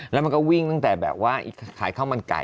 แล้วมันก็วิ่งตั้งแต่แบบว่าขายข้าวมันไก่